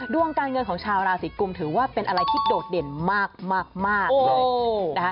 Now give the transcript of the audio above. ดวงการเงินของชาวราศีกุมถือว่าเป็นอะไรที่โดดเด่นมากเลยนะคะ